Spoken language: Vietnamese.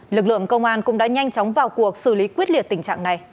lực lượng công an cũng đã nhanh chóng vào cuộc xử lý quyết liệt tình trạng này